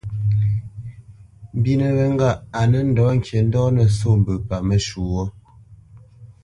Mbínə wé ŋgâʼ á nə́ ndə̂ ŋkǐ ndo nə́ sô mbə paməshwɔ̌.